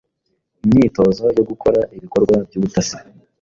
imyitozo yo gukora ibikorwa by'ubutasi